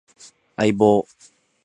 相棒